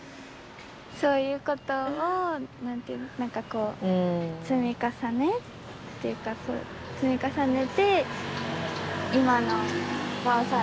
そういうことを何て言うなんかこう積み重ねっていうか真矢ちゃんもね